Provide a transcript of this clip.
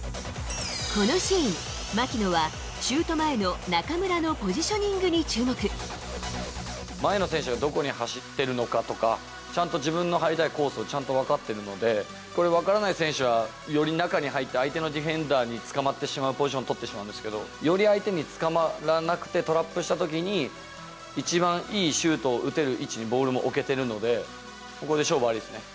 このシーン、槙野はシュート前の選手がどこに走ってるのかとか、ちゃんと自分の入りたいコースをちゃんと分かっているので、これ、分からない選手はより中に入って、相手のディフェンダーに捕まってしまうポジション取ってしまうんですけど、より相手に捕まらなくてトラップしたときに、一番いいシュートを打てる位地にボールも置けてるので、ここで勝負ありですね。